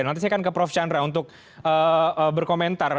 nanti saya akan ke prof chandra untuk berkomentar